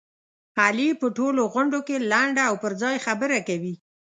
علي په ټولو غونډوکې لنډه او پرځای خبره کوي.